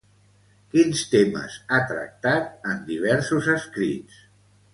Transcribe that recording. Quins temes ha tractat en diversos escrits?